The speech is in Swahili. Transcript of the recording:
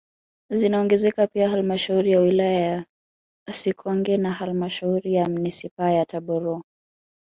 Zinaongezeka pia halmashauri ya wilaya ya Sikonge na halmashauri ya manispaa ya Tabora